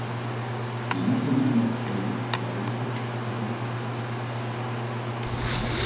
Y en ese mismo extremo, de adultos desarrollan un filamento.